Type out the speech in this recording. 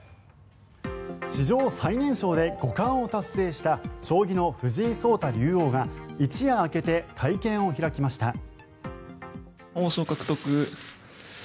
史上最年少で五冠を達成した将棋の藤井聡太竜王が一夜明けて会見を開きました。